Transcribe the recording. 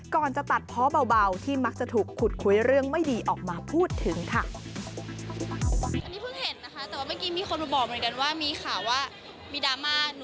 ก่อนจะตัดเพาะเบาที่มักจะถูกขุดคุยเรื่องไม่ดีออกมาพูดถึงค่ะ